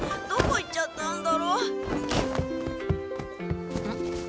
どこ行っちゃったんだろう？ん？